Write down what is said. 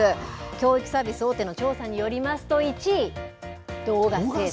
教育サービス大手の調査によりますと、１位、動画制作。